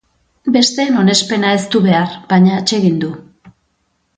Besteen onespena ez du behar, baina atsegin du.